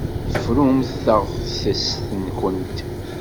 Frumt taɣtest-nkent.